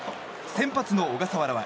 先発の小笠原は。